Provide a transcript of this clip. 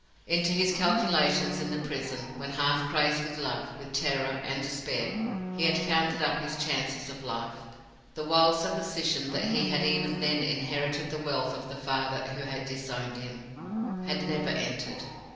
Into his calculations in the prison when, half crazed with love, with terror, and despair, he had counted up his chances of life the wild supposition that he had even then inherited the wealth of the father who had disowned him, had never entered.